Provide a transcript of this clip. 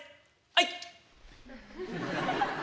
はい！